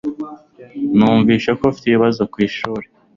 Numvise ko ufite ibibazo kwishuri.